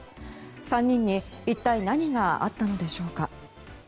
３人に一体何があったのでしょうか。